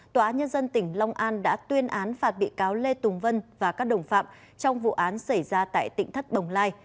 tòa nhân dân tỉnh long an đã tuyên án phạt bị cáo lê tùng vân và các đồng phạm trong vụ án xảy ra tại tỉnh thất bồng lai